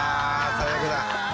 最悪だ。